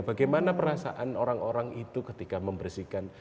bagaimana perasaan orang orang itu ketika membersihkan